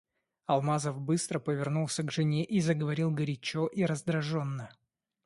Алмазов быстро повернулся к жене и заговорил горячо и раздражённо.